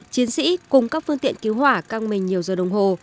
chiến sĩ cùng các phương tiện cứu hỏa căng mình nhiều giờ đồng hồ